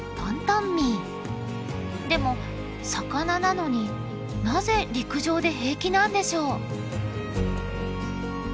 でも魚なのになぜ陸上で平気なんでしょう？